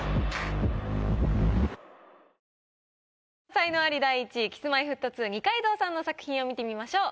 才能アリ第１位Ｋｉｓ−Ｍｙ−Ｆｔ２二階堂さんの作品を見てみましょう。